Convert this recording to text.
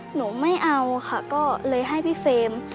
หนูไม่เอาค่ะก็เลยให้พี่เฟรม